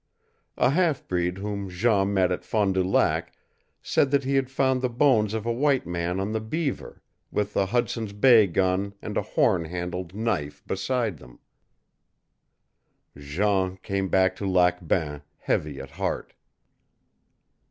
A half breed whom Jean met at Fond du Lac said that he had found the bones of a white man on the Beaver, with a Hudson's Bay gun and a horn handled knife beside them. Jean came back to Lac Bain heavy at heart.